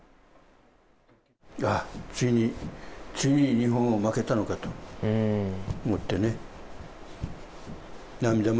ああ、ついに、ついに日本は負けたのかと思ってね。